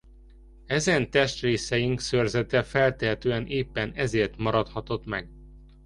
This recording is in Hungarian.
Ezen testrészeink szőrzete feltehetően éppen ezért maradhatott meg.